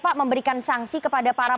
pak memberikan sanksi kepada para